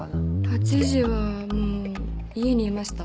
８時はもう家にいました。